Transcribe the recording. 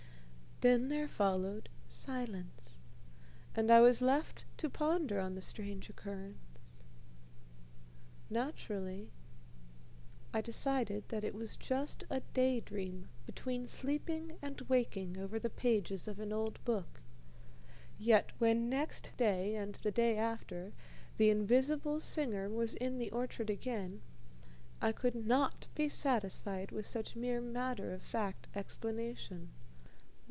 Then there followed silence, and I was left to ponder on the strange occurrence. Naturally, I decided that it was just a day dream between sleeping and waking over the pages of an old book; yet when next day and the day after the invisible singer was in the orchard again, I could not be satisfied with such mere matter of fact explanation.